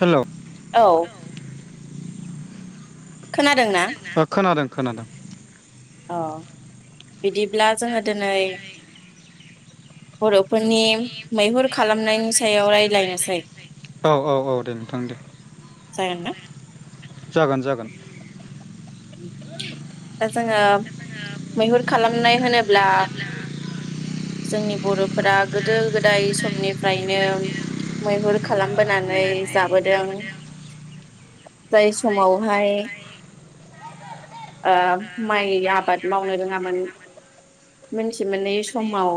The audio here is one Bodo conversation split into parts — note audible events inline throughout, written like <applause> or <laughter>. हेल' औ। खोनादोंना? ओ खोनादों। खोनादों। औ। बिदिब्ला जोङो दिनै बर'फोरनि मैहुर खालामनायनि सायाव रायज्लायनोसै औ औ औ दे नोंथां दे। जागोन ना? जागोन जागोन। दा जोंङो मैहुर खालामनाय होनोब्ला जोंनि बर'फोरा गोदो गोदाय समनिफ्रायनो मैहुर खालामबोनानै जाबोदों जाय समावहाय ओ माइ आबाद मावनो रोंङामोन मिन्थि मोनै समाव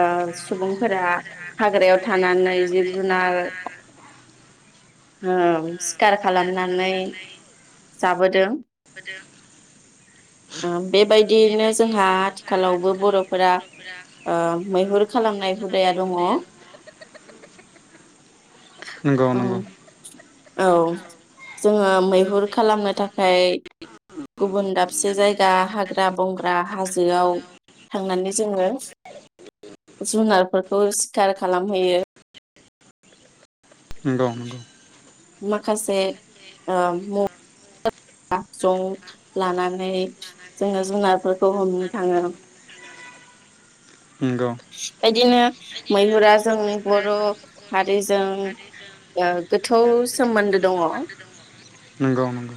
ओ सुबुंफोरा हाग्रायाव थानानै जिब जुनार ओ सिखार खालामनानै जाबोदों ओ बेबायदियैनो जोंहा आथिखालावबो बर'फोरा ओ मैहुर खालामनाय हुदाया दङ। नंगौ औ नंगौ औ जोङो मैहुर खालामनो थाखाय गुबुन दाबसे जायगा हाग्रा बंग्रा हाजोआव थांनानै जोङो जुनारफोरखौ सिखार खालामहैयो नंगौ-नंगौ माखासे ओ <unintelligible> जं लानानै जोङो जुनारफोरखौ हमनो थाङो। नंगौ बेदिनो मैहुरा जों बर' हारिजों गोथौ ओ सोमोन्दो दंङ नंगौ नंगौ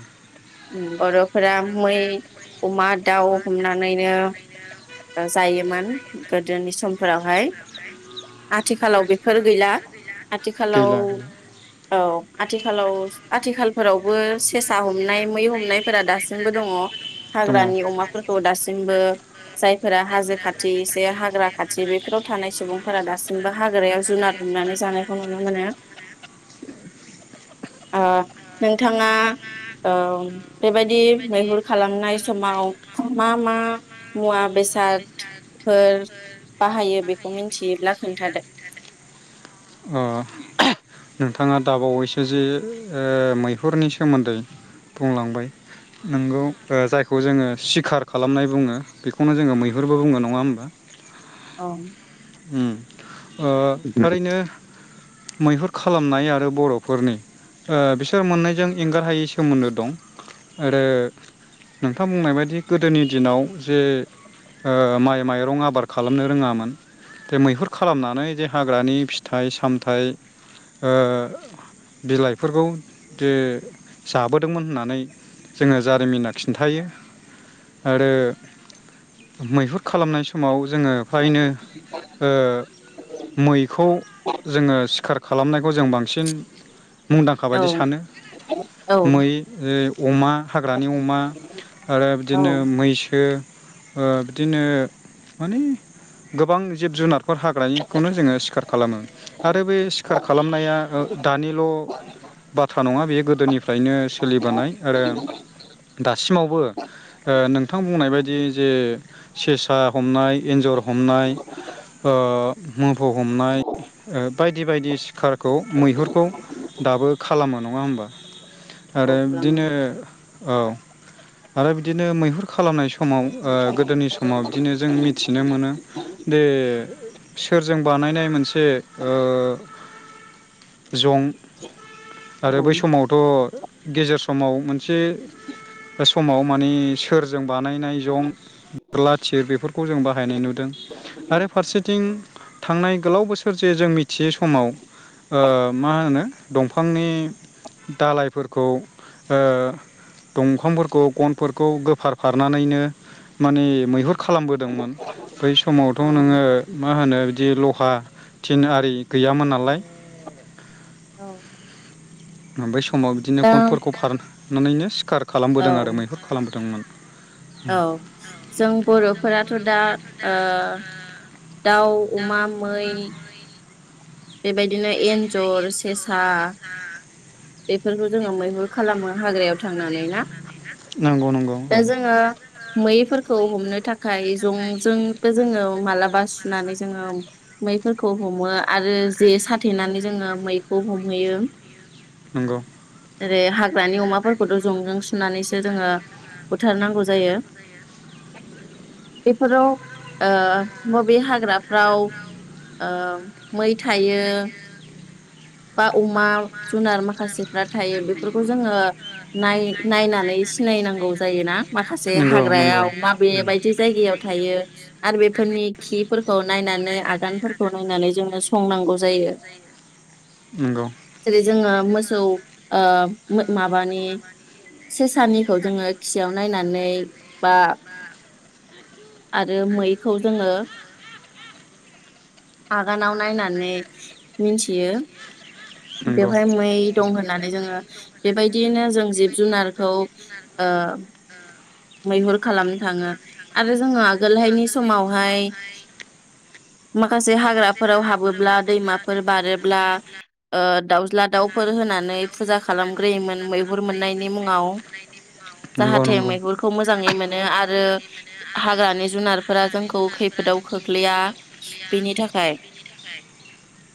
बर' फोर मै अमा दाउ हमनानैनो जायोमोन गोदोनि समफोरावहाय आथिखालाव बेफोर गैला आथिखालाव गैला गैला अ औ आथिखालाव आथिखालफोरावबो सेसा हमनाय मै हमनायफोरा दासिमबो दङ। दङ हाग्रानि अमाफोरखौ दासिमबो जाय फोरा हाजो खाथिसे हाग्रा खाथि बेफोराव थानाय सुबुंफोरा दासिमबो हाग्रायाव जुनार हमनानै जानायखौ नुनो मोनो ओ नोंथाङा ओ बेबायदि मैहुर खालामनाय समाव मा-मा मुवा बेसाद अ बेखौ मिन्थियोब्ला खोन्थादो। नोंथाङा दाबावैसो जे ओ मैहुरनि सोमोन्दै बुंलांबाय नोंगौ जायखौ जोंङो सिखार खालामनाय बुंङो बेखौनो जोंङो मैहुर फोरबो बुङो नङा होमबा औ अम ओ थारैनो मैहुर खालामनाय आरो बर'फोरनि ओ बिसोर मोननैजों एंगार हायि सोमोन्दो दं आरो नोंथां बुंनाय बायदि गोदोनि दिनाव जे ओ माइ माइरं आबाद खालामनो रोंङामोन बे मैहुर खालामनानै जे हाग्रानि फिथाइ सामथाइ ओ बिलाइफोरखौ जे जाबोदोंमोन होननानै जोंङो जारिमिना खिन्थायो आरो मैहुर खालामनाय स समाव जोंङो फ्रायनो ओ मैखौ जोंङो सिखार खालामनायखौ जों बांसिन मुंदांखा बायदि औ सानो औ मै <unintelligible> अमा हाग्रानि अमा आरो औ बिदिनो मैसो ओ बिदिनो माने गोबां जिब जुनार फोर हाग्रानिखौनो जोंङो सिखार खालामो आरो बे सिखार खालामनाया दानिल' बाथ्रा नङा बेयो गोदोनिफ्रायनो सोलिबोनाय आरो दासिमावबो नोंथां बुंनाय बादि जे सेसा हमनाय एन्जर हमनाय ओ मोफौ हमनाय ओ बायदि बायदि सिखारखौ मैहुरखौ दाबो खालामो नंङा होमबा औ आरो खालामो बिदिनो औ आरो बिदिनो मैहुर खालामनाय समाव ओ गोदोनि समाव बिदिनो जों मिथिनो मोनो दे सोरजों बानायनाय मोनसे ओ जं औ आरो बै समावथ' गेजेर समाव मोनसे समाव माने सोरजों बानायनाय जं बोरला थिर बेफोरखौ जों बाहायनाय नुदों आरो फारसेथिं थांनाय गोलाव बोसोर जे जों मिथियै समाव ओ मा होनो दंफांनि दलायफोरखौ ओ दंफांफोरखौ गनफोरखौ गोफार फारनानैनो माने मैहुर। खालामबोदोंमोन बै समावथ' नोङो औ मा होनो बिदि लहा। थिन आरि गैयामोन नालाय। ओमफाय स समाव बिदिनो दा गनफोरखौ फार नुनायनो सिखार खालामबोदों आरो औ मैहुर खालामबोदोंमोन। औ जों बर'फोराथ' दा ओ दाउ, अमा, मै बेबायदिनो एन्जर सेसा बेफोरखौ जोङो मैहुर खालामो हाग्रायाव थांनानै ना? नंगौ नंगौ दा औ जोङो मैफोरखौ हमनो थाखाय जंजोंबो जोङो मालाबा सुनानै जोङो मैफोरखौ हमो आरो जे साथेनानै जोङो मैखौ हमहैयो। नंगौ। जेरै हाग्रानि अमाफोरखौथ' जंजों सुनानैसो जोङो बुथारनांगौ जायो। बेफोराव ओ बबे हाग्राफ्राव ओ मै थायो बा अमा जुनार माखासेफ्रा थायो बेफोरखौ जोङो नाय-नायनानै सिनायनांगौ जायोना माखासे हाग्रायाव माबे बायदि जायगायाव थायो आरो बे फोरनि खिफोरखौ नायनानै आगानफोरखौ नायनानै जोङो स संनांगौ जायो। नंगौ जेरै जोंङो मोसौ ओ मो माबानि सेसानिखौ जोङो खियाव नायनानै बा आरो मैखौ जोङो आगानाव नायना नै मिनथियो। नंगौ बेवहाय मै दं होननानै जोङो बेबायदियैनो जों जिब जुनारखौ ओ मैहुर खालामनो थाङो आरो जोङो आगोलहायनि समावहाय मा खासे हाग्राफोराव हाबोब्ला दैमाफोर बारोब्ला ओ दाउज्ला दाउफोर होनानै फुजा खालामग्रोयोमोन मैहुर मोननायनि मुङाव नंगौ जाहाथे नंगौ मैहुर मोजाङै मोनो आरो हाग्रानि जुनारफोरा जोंखौ खैफोदाव खोख्लैया बिनि थाखाय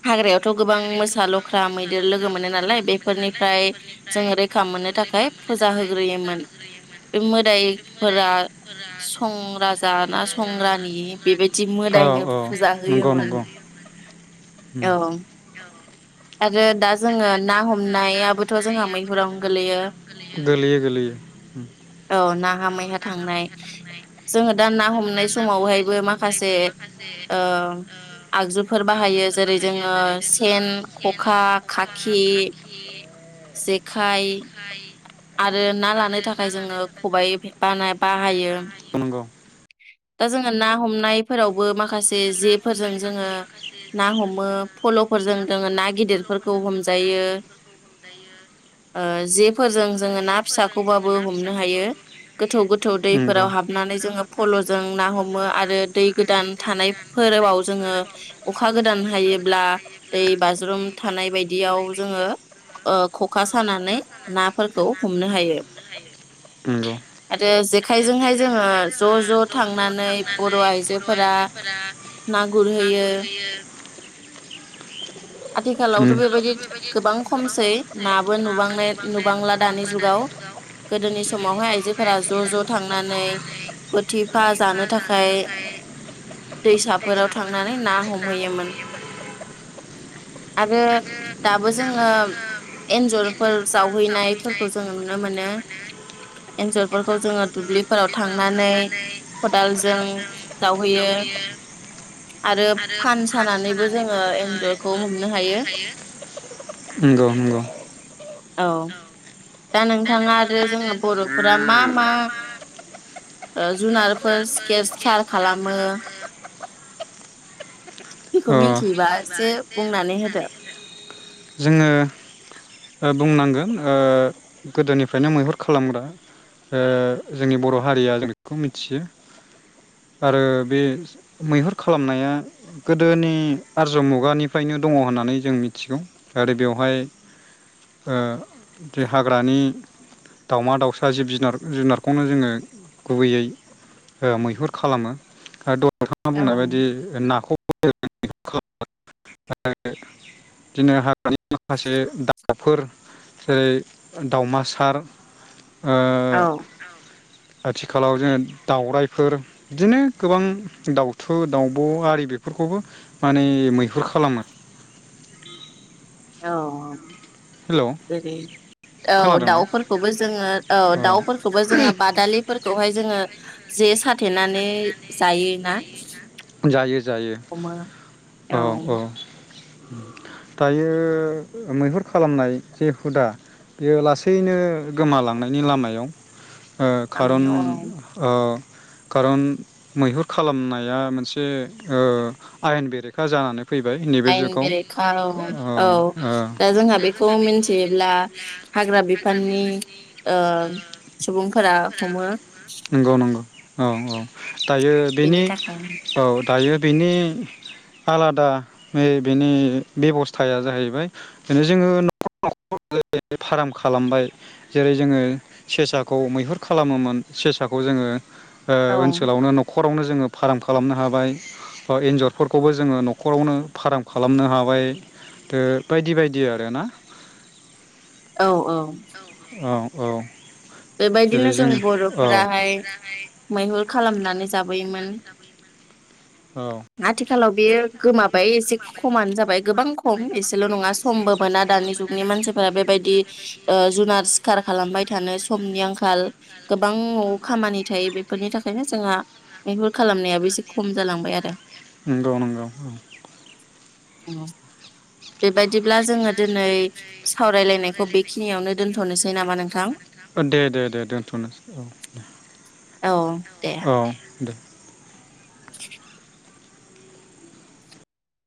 हाग्रायावथ' गोबां मोसा लख्रा दोर लोगो मोनो नालाय बेफोरनिफ्राय जों रैखा मोननो थाखाय फुजा होग्रोयोमोन। बे मोद <unintelligible> फोरा सं राजा‌ ना सं रानि बेबायदि मोदायनो फुजा होयोमोन औ। आरो दा जोङो आरो ना दा जोङो ना हमनायाबोथ' जोंहा हमनायाबोथ' मैहुरावनो जोंहा गोलैयो मैहुरावनो गोलैयो? गोलैयो गोलैयो। औ नाहा मैहा थांनाय जोङो दा ना हमनाय समावहायबो माखासे ओ आगजुफोर बाहायो जेरै जोङो सेन, खखा, खाख खि जेखाइ आरो ना लानो थाखाय जोङो खबाइ फे बानाय बाहायो नंगौ दा जोङो ना हमनायफोराव बो माखासे जेफोरजों जोङो ना हमो फल'फोरजों दोङो ना गिदिरफोरखौ हमजायो ओ जेफोरजों जोङो ना फिसाखौबाबो हमनो हायो गोथौ गोथौ नंगौ दैफोराव हाबनानै जोङो फल'जों ना हमो आरो दै गोदान फोरबोआव जोङो अखा गोदान हायोब्ला दै बाज्रुम थानाय बायदियाव जोङो ओ खखा सानानै नाफोरखौ हमनो हायो जोङो आरो जेखायजोंहाय जोङो ज' ज' थांनानै बर' आइजोफोरा फोरा ना गुरहैयो आथिखालावथ' बेबायदि गोबां खमसै नाबो नुबांनाय नुबांला दानि जुगाव गोदोनि समावहाय आइजोफोरा ज' ज' थांनानै बोथिफा जानो थाखाय दैसाफोराव थांनानै ना हमहैयोमोन आरो दाबो जोङो एन्जरफोर जावहैनायफोरखौ जोङो नुनो मोनो एन्जरफोरखौ जोङो दुब्लिफोराव थांनानै खदालजों जावहैयो यो आरो फान सानानैबो जोङो एन्ज नंगौ-नंगौ औ औ दा नोंथाङा आरो जोंना बर'फोरा मा-मा ओ जुनारफोर स्केस सार खालामो बेखौ ओ मिथियोबा एसे बुंनानै होदो जोङो ओ बुंनांगोन ओ गोदोनिफ्रायनो मैहुर खालामग्रा ओ जोंनि बर' हारिया जों बेखौ मिथियो आरो बे मैहुर खालामनाया गोदोनि आरज्य मुगानिफ्रायनो दङ होननानै जों मिथिगौ आरो बेवहाय ओ देहाग हाग्रानि दाउमा दाउसा जिब जुनार जुनारखौनो जोङो गुबैयै ओ मैहुर खालामो ओ नोंथाङा बुंनाय बायदि नाखौ <unintelligible> बिदिनो हा <unintelligible> माखासे दा फोर सेरै ओ दाउमासार औ आथिखालाव जोङो दाउराफोर बिदिनो गोबां दाउथु दाउब' आरि बेफोरखौबो माने मैहुर खालामो औ-औ हेलौ जेरै औ खोनादोंना दाउफोरखौबो जोङो औ दाउफोरखौबो जोङो बादालिफोरखौहाय जोङो जे सान जायो-जायो हमो औ औ-औ दायो मैहुर खालामनाय जे हुदा बेयो लासैनो गोमालांनायनि लामायाव ओ खारन लामायाव औ ओ कारन मैहुर खालामनाया मोनसे ओ आयेन बेरेखा जानानै फैबाय नैबे आयेन जुगाव बेरेखा औ औ दा जोंहा बेखौ मिथियोब्ला हाग्रा बिफाननि ओ सुबुंफोरा हमो नंगौ नंगौ औ औ दायो बेनि औ दायो बेनि आलादा बेनि बेब'स्थाया जाहैबाय बिनो जोङो न'खरखर फार्म खालामबाय जेरै जोङो सेसाखौ मैहुर खालामोमोन सेसाखौ जोङो ओ औ ओनसोलावनो न'खर नखरावनो जोङो फाराम खालामनो हाबाय बा एन्जरफोरखौबो जोङो न'खरावनो फाराम खालामनो हाबाय ओ बायदि बायदि आरोना औ औ औ औ बेबायदिनो जों औ बर'फोराहाय मैहुर खालामनानै जाबोयोमोन औ आथिखालाव बेयो गोमाबाय एसे खमानो जाबाय गोबां खम एसेल' नङा समबो मोना दानि जुगनि मानसिफोरा बेबायदि ओ जुनार सिखार खालामबाय थानो स समनि आंखाल गोबां न'आव खामानि थायो बेफोरनि थाखायनो जोंहा मैहुर खालामनायाबो एसे खम जालांबाय आरो नोंगौ नोंगौ बेबायद बिदिब्ला जोङो दिनै सावरायलायनायख खौ बेखिनियावनो दोनथ'नोसै नामा नोंथां ओ दे दे दे दोनथ'नोसै औ दे औ दे औ दे